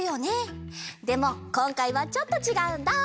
でもこんかいはちょっとちがうんだ！